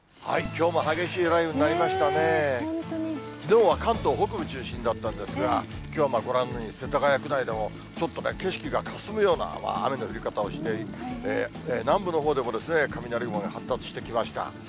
きのうは関東北部中心だったんですが、きょうはご覧のように、世田谷区内でもちょっと景色がかすむような雨の降り方をして、南部のほうでも雷雲が発達してきました。